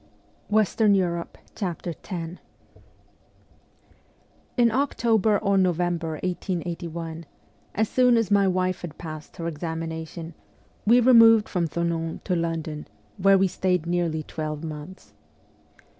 WESTERN EUROPE X IN October or November 1881, as soon as my wife had passed her examination, we removed from Thonon to London, where we stayed nearly twelve months.